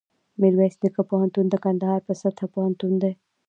میرویس نیکه پوهنتون دکندهار په سطحه پوهنتون دی